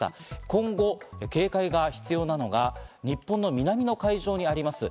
今後警戒が必要なのが日本の南の海上にあります。